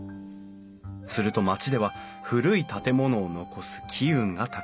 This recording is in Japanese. すると町では古い建物を残す機運が高まり